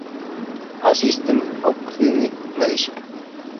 A System of Clinical Medicine.